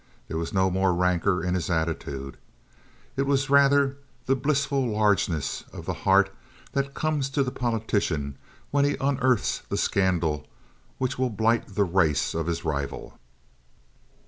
There was no more rancor in his attitude. It was rather the blissful largeness of the heart that comes to the politician when he unearths the scandal which will blight the race of his rival.